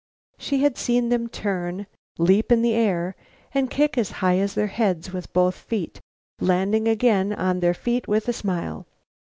She had seen them turn, leap in the air and kick as high as their heads with both feet, landing again on their feet with a smile.